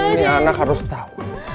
ini anak harus tau